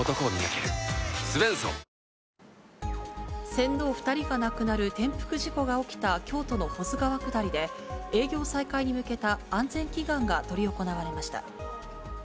船頭２人が亡くなる転覆事故が起きた京都の保津川下りで、営業再開に向けた安全祈願が執り行われました。